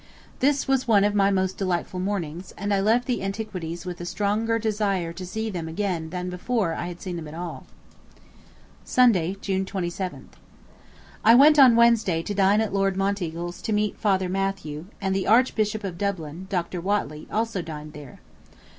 This was one of my most delightful mornings, and I left the Antiquities with a stronger desire to see them again than before I had seen them at all. Sunday, June 27th. ... I went on Wednesday to dine at Lord Monteagle's to meet Father Mathew, and the Archbishop of Dublin (Dr. Whately) also dined there.